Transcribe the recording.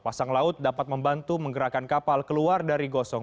pasang laut dapat membantu menggerakkan kapal keluar dari gosong